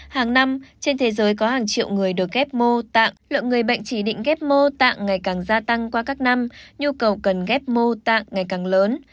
hàng năm trên thế giới có hàng triệu người được ghép mô tạng lượng người bệnh chỉ định ghép mô tạng ngày càng gia tăng qua các năm nhu cầu cần ghép mô tạng ngày càng lớn